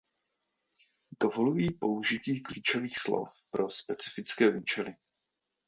Dovolují použití klíčových slov pro specifické účely.